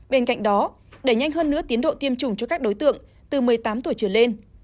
bên cạnh đó đẩy nhanh hơn nữa tiến độ tiêm chủng cho các đối tượng từ một mươi tám tuổi trở lên